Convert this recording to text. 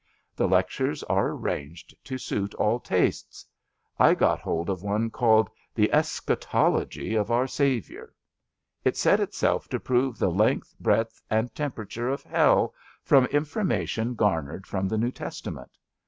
The lectures are arranged to suit all tastes. I got hold of one called The Eschatology of Our Saviour.'' It set itself to prove the length, breadth and temperature of Hell from information gar nered from the New Testament.